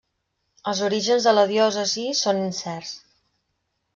Els orígens de la diòcesi són incerts.